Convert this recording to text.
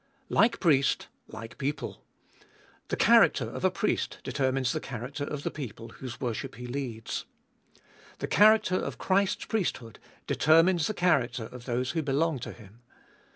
2. Like priest, like people. The character of a priest determines the character of the people whose worship he leads. The character of Christ's priesthood determines the character of those who belong to Him.